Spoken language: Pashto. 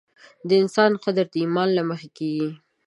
د انسان قدر د ایمان له مخې کېږي.